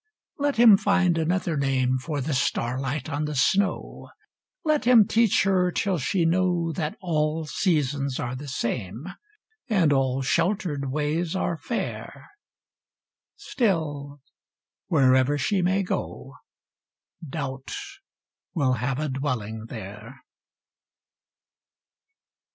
Let him find another name For the starlight on the snow, Let him teach her till she know That all seasons are the same, And all sheltered ways are fair, — Still, wherever she may go. Doubt will have a dwelling there.